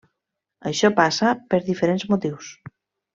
Això passa per diferents motius.